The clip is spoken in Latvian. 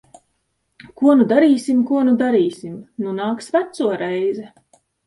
Ko nu darīsim? Ko nu darīsim? Nu nāks veco reize.